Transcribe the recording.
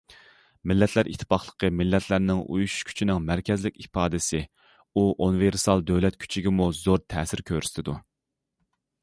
مىللەتلەر ئىتتىپاقلىقى مىللەتلەرنىڭ ئۇيۇشۇش كۈچىنىڭ مەركەزلىك ئىپادىسى، ئۇ ئۇنىۋېرسال دۆلەت كۈچىگىمۇ زور تەسىر كۆرسىتىدۇ.